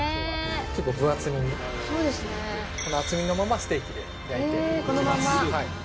結構分厚めにこの厚みのままステーキで焼いていきます。